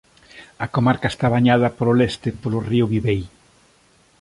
A comarca está bañada polo leste polo río Bibei.